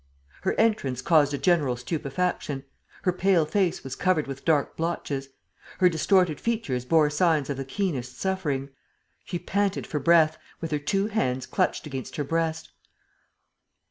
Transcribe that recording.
Her entrance caused a general stupefaction. Her pale face was covered with dark blotches. Her distorted features bore signs of the keenest suffering. She panted for breath, with her two hands clutched against her breast.